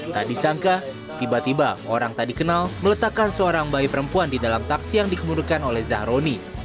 tak disangka tiba tiba orang tak dikenal meletakkan seorang bayi perempuan di dalam taksi yang dikemudurkan oleh zahroni